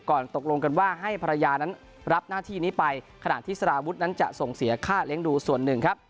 ตกลงกันว่าให้ภรรยานั้นรับหน้าที่นี้ไปขณะที่สารวุฒินั้นจะส่งเสียค่าเลี้ยงดูส่วนหนึ่งครับ